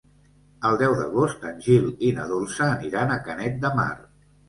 El deu d'agost en Gil i na Dolça aniran a Canet de Mar.